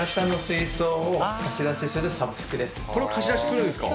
これを貸し出しするんですか？